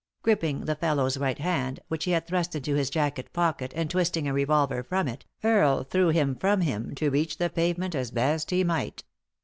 Gripping the fellow's right hand, which he had thrust into his jacket pocket, and twisting a revolver from it, Earle threw him from him, to reach the pavement as best he might.